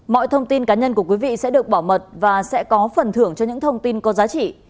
mọi thông tin cá nhân của quý vị sẽ được bảo mật và sẽ có phần thưởng cho những thông tin có giá trị